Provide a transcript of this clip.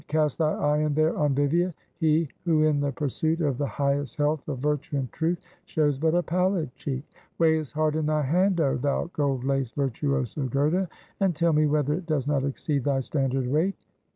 "Cast thy eye in there on Vivia; he, who in the pursuit of the highest health of virtue and truth, shows but a pallid cheek! Weigh his heart in thy hand, oh, thou gold laced, virtuoso Goethe! and tell me whether it does not exceed thy standard weight!"